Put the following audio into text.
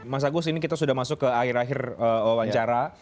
mas agus ini kita sudah masuk ke akhir akhir wawancara